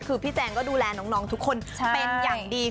คือพี่แจงก็ดูแลน้องทุกคนเป็นอย่างดี